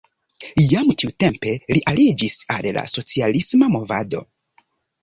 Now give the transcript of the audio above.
Jam tiutempe li aliĝis al la socialisma movado.